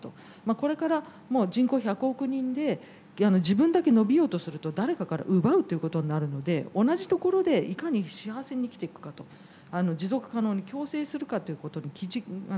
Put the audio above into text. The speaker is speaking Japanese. これから人口１００億人で自分だけ伸びようとすると誰かから奪うということになるので同じところでいかに幸せに生きていくかと持続可能に共生するかということに切り替えなければいけない。